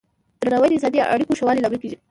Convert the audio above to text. درناوی د انساني اړیکو ښه والي لامل کېږي.